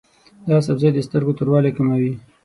دا سبزی د سترګو توروالی کموي.